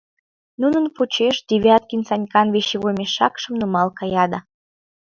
Нунын почеш Девяткин Санькан вещевой мешакшым нумал кая да.